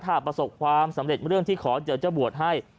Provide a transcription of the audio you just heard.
ถ้าประสบความสำเร็จเรื่องที่ขอเดี๋ยวจะบวชให้